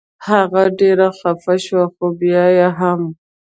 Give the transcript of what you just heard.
هغه ډېره خفه شوه خو بیا یې هم.